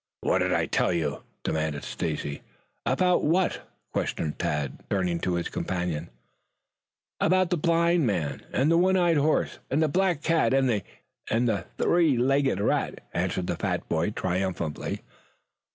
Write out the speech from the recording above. "What did I tell you?" demanded Stacy. "About what?" questioned Tad, turning to his companion. "About the blind men and the one eyed horse, and the black cat and the three legged rat," answered the fat boy triumphantly.